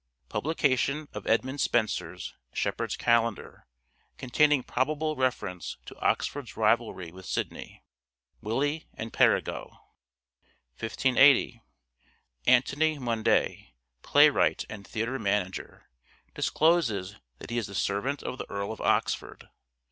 Publication of Edmund Spenser's *' Shepherd's Calender " containing probable reference to Oxford's rivalry with Sidney: "Willie and Perigot." 1580. . Antony Munday, playwright and theatre manager, discloses that he is the servant of the Earl of Oxford.